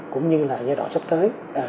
cũng như là giai đoạn sắp tới